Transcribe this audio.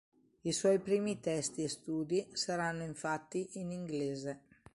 I suoi primi testi e studi saranno infatti in inglese.